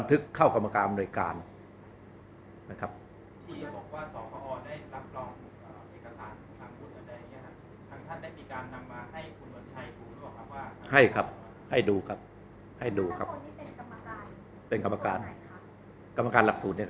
คือถ้าเขาไม่ยอมรับก็ไม่ได้ทำไง